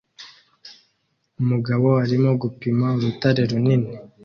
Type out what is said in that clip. Umugabo arimo gupima urutare runini